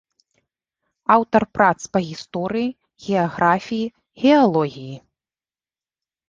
Аўтар прац па гісторыі, геаграфіі, геалогіі.